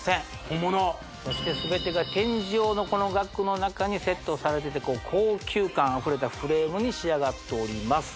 本物そして全てが展示用のこの額の中にセットされてて高級感あふれたフレームに仕上がっております